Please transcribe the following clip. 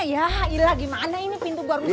yah ilah gimana ini pintu gue rusak ini